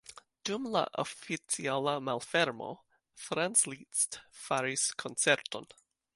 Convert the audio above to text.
Dum la oficiala malfermo Franz Liszt faris koncerton.